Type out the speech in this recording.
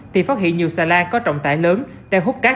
thì phát hiện nhiều xà lan có trọng tải lớn đang hút cát